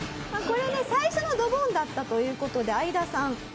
これね最初のドボンだったという事でアイダさん